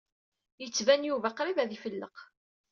Yettban Yuba qṛib ad ifelleq.